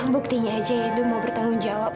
buktinya aja edo mau bertanggung jawab